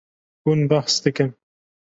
Hûn behs dikin.